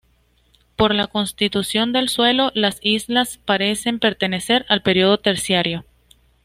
Por la constitución del suelo, las islas parecen pertenecer al período terciario.